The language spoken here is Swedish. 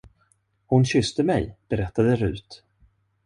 Hon kysste mig, berättade Rut.